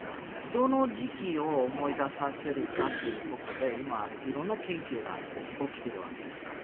どの時期を思い出させるかっていうことで今、色んな研究が起きているわけですから。